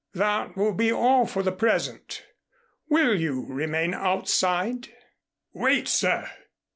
That will be all for the present. Will you remain outside?" "Wait, sir!"